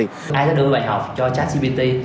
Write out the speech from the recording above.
ai sẽ đưa bài học cho chatbot